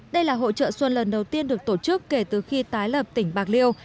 đây là hội trợ xuân lần đầu tiên được tổ chức kể từ khi tái lập tỉnh bạc liêu